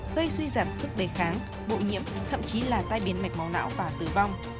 gây suy giảm sức đề kháng bộ nhiễm thậm chí là tai biến mạch máu não và tử vong